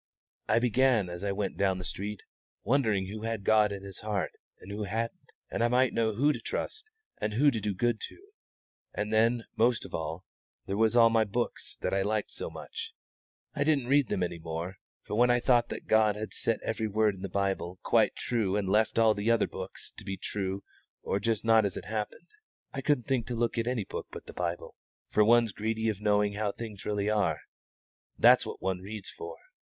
I began, as I went down the street, wondering who had God in his heart and who hadn't, that I might know who to trust and who to try to do good to. And then, most of all, there was all my books that I liked so much. I didn't read them any more, for when I thought that God had set every word in the Bible quite true and left all the other books to be true or not just as it happened, I couldn't think to look at any book but the Bible; for one's greedy of knowing how things really are that's what one reads for.